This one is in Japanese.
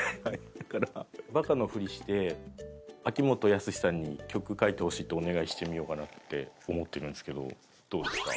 だからバカのふりして秋元康さんに曲書いてほしいってお願いしてみようかなって思ってるんですけどどうですか？